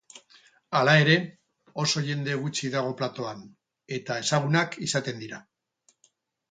Hala ere, oso jende gutxi dago platoan, eta ezagunak izaten dira.